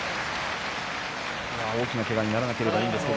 大きなけがにならなければいいのですが。